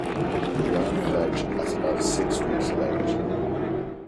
The young fledge at about six weeks of age.